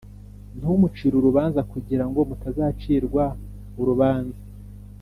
ntimucire urubanza, kugira ngo mutazacirwa urubanza